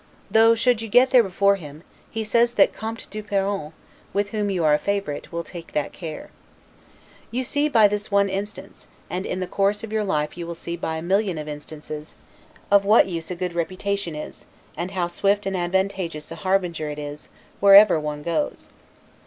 Though, should you get there before him, he says that Comte du Perron, with whom you are a favorite, will take that care. You see, by this one instance, and in the course of your life you will see by a million of instances, of what use a good reputation is, and how swift and advantageous a harbinger it is, wherever one goes.